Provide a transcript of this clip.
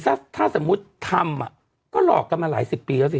ถ้าสมมติครั้งครั้งทำอ่ะก็หลอกกันมาหลายสิบปีแล้วสิ